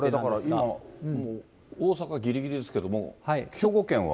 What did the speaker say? これだから今、大阪ぎりぎりですけども、兵庫県は。